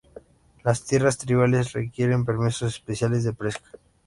Las tierras tribales requieren permisos especiales de pesca.